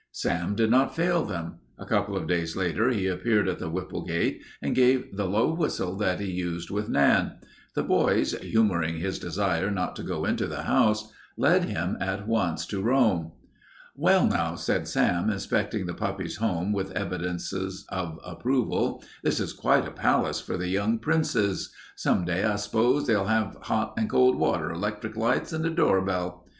Sam did not fail them. A couple of days later he appeared at the Whipple gate and gave the low whistle that he used with Nan. The boys, humoring his desire not to go into the house, led him at once to Rome. "Well, now," said Sam, inspecting the puppies' home with evidences of approval, "this is quite a palace for the little princes. Some day I s'pose they'll have hot and cold water, electric lights, and a doorbell."